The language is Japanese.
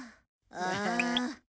ああ。